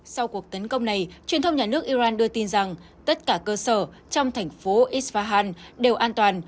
sau cuộc tấn công này truyền thông nhà nước iran đưa tin rằng tất cả cơ sở trong thành phố isvahan đều an toàn